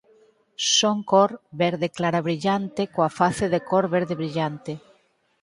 Son cor verde clara brillante coa face de cor verde brillante.